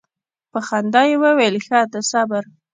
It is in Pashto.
په خندا یې وویل ښه ته صبر.